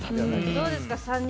どうですか、３人。